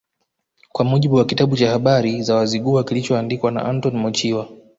Kwa mujibu wa kitabu cha Habari za Wazigua kilichoandikwa na Antoni Mochiwa